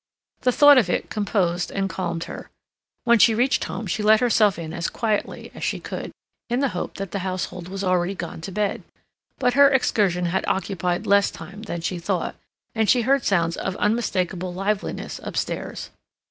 The thought of it composed and calmed her. When she reached home she let herself in as quietly as she could, in the hope that the household was already gone to bed. But her excursion had occupied less time than she thought, and she heard sounds of unmistakable liveliness upstairs.